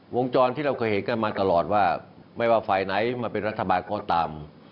วงจรที่เราเคยเห็นกันมาตลอดว่าไม่ว่าฝ่ายไหนมาเป็นรัฐบาลก็ตาม